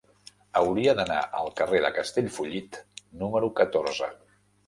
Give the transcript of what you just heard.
Hauria d'anar al carrer de Castellfollit número catorze.